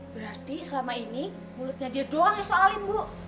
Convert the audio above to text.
berarti selama ini mulutnya dia doang yang soalin bu